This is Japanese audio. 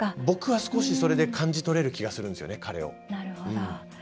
僕は少しそれで感じ取れる気がするんですよね、彼を。